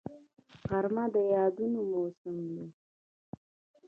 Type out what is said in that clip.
غرمه د یادونو موسم دی